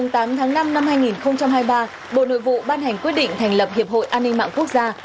ngày tám tháng năm năm hai nghìn hai mươi ba bộ nội vụ ban hành quyết định thành lập hiệp hội an ninh mạng quốc gia